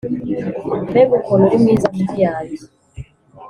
Mbega ukuntu uri mwiza, ncuti yanjye,